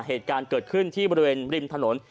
เหตุการณ์เกิดขึ้นที่บริเวณริมถนน